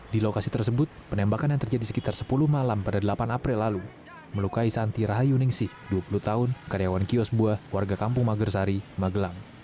di lokasi tersebut penembakan yang terjadi sekitar sepuluh malam pada delapan april lalu melukai santi rahayu ningsih dua puluh tahun karyawan kios buah warga kampung magersari magelang